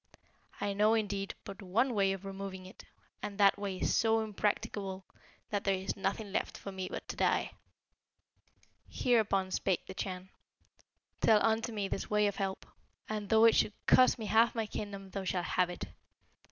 I know, indeed, but one way of removing it; and that way is so impracticable, that there is nothing left for me but to die.' Hereupon spake the Chan, 'Tell unto me this way of help, and though it should cost me half my kingdom thou shalt have it.